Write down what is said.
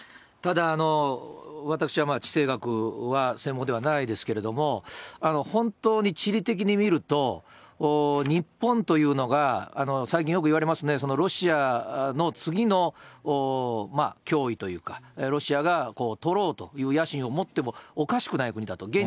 ただ私はまあ、地政学は専門ではないですけれども、本当に地理的に見ると、日本というのが最近よく言われますね、そのロシアの次の脅威というか、ロシアが取ろうという野心を持ってもおかしくない国だと。